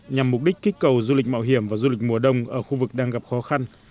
nhằm mục đích kích cầu du lịch mạo hiểm và du lịch mùa đông ở khu vực đang gặp khó khăn